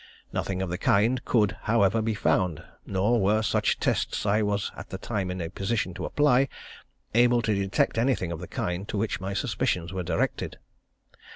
Nothing of the kind could, however, be found, nor were such tests, as I was at the time in a position to apply, able to detect anything of the kind to which my suspicions were directed.